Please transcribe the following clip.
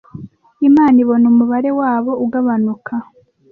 imana ibona umubare wabo ugabanuka